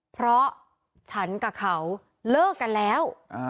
เพราะฉันกับเขาเลิกกันแล้ว